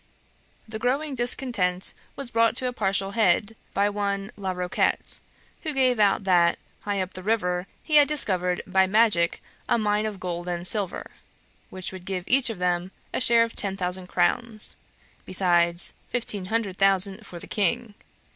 The growing discontent was brought to a partial head by one La Roquette, who gave out that, high up the river, he had discovered by magic a mine of gold and silver, which would give each of them a share of ten thousand crowns, besides fifteen hundred thousand for the King.